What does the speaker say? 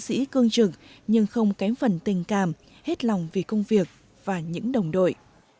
vũ dũng minh là một người chiến sĩ cương trực nhưng không kém phần tình cảm hết lòng vì công việc và những đồng đội